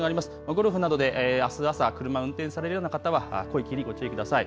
ゴルフなどであす朝、車を運転される方は濃い霧、ご注意ください。